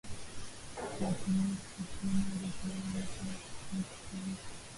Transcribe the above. na kuwapa afueni wazazi wao wapya wa kupanga